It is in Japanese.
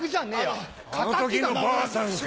あの時のばあさんか。